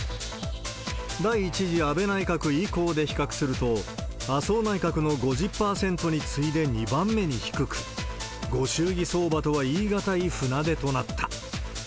第１次安倍内閣以降で比較すると、麻生内閣の５０％に次いで２番目に低く、ご祝儀相場とは言い難い船出となった。